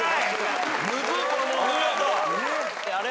あれ？